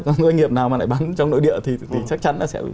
còn doanh nghiệp nào mà lại bán trong nội địa thì chắc chắn nó sẽ